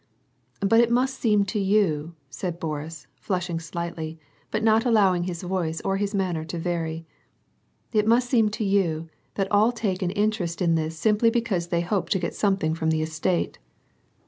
"But it must seem to you," said Boris, flushing slightly, but not allowing his voice or his manner to vary, —" it must seem to you that all take an interest in this simply because they hope to get something from the estate."